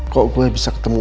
kok gue bisa ketemu